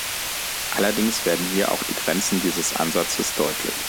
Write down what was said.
Allerdings werden hier auch die Grenzen dieses Ansatzes deutlich.